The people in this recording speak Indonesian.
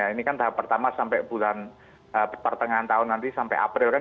ini kan tahap pertama sampai bulan pertengahan tahun nanti sampai april kan